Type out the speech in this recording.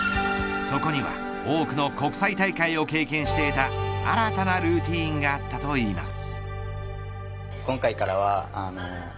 そこには、多くの国際大会を経験して得た新たなルーティンがあったといいます。